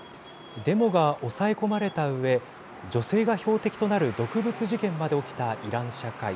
デモが抑え込まれたうえ女性が標的となる毒物事件まで起きたイラン社会。